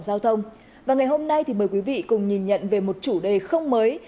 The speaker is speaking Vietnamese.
giao thông và ngày hôm nay thì mời quý vị cùng nhìn nhận về một chủ đề không mới